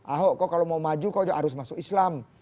ahok kau kalau mau maju kau harus masuk islam